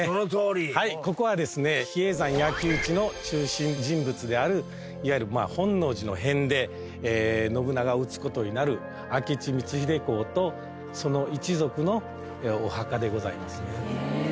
はいここはですね比叡山焼き討ちの中心人物であるいわゆる本能寺の変で信長を討つ事になる明智光秀公とその一族のお墓でございますね。